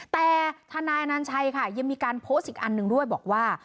แต่ทนายอนัญชัยค่ะยังมีการโพสต์อีกอันหนึ่งด้วยบอกว่า